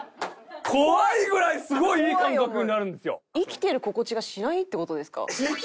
怖いぐらいすごいいい感覚になるんですよ。